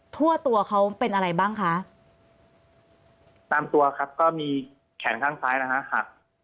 ทั่วตัวเขาเป็นอะไรบ้างคะตามตัวครับก็มีแขนข้างซ้ายนะฮะหัก